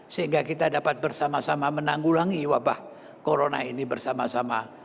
sehingga kita dapat bersama sama menanggulangi wabah corona ini bersama sama